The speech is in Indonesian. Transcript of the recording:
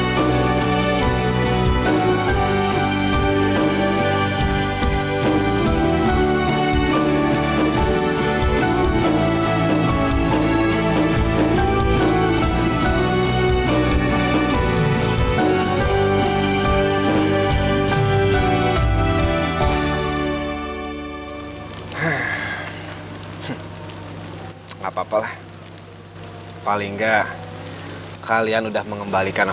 jadi janjian gue alindri untuk menghindar